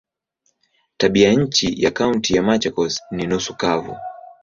Tabianchi ya Kaunti ya Machakos ni nusu kavu.